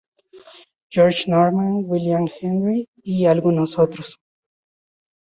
George Norman, William Hendry, y algunos otros.